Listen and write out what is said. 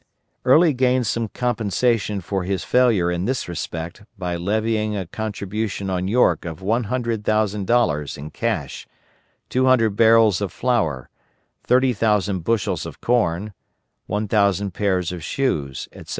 Early gained some compensation for his failure in this respect by levying a contribution on York of one hundred thousand dollars in cash; two hundred barrels of flour; thirty thousand bushels of corn; one thousand pairs of shoes, etc.